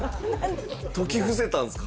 説き伏せたんですか？